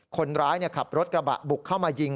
คนร้ายขับรถกระบะบุกเข้ามายิง